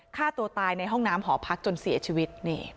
ฆ่าตัวตายในห้องน้ำหอพักจนเสียชีวิต